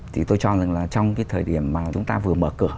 thì tôi cho rằng là trong cái thời điểm mà chúng ta vừa mở cửa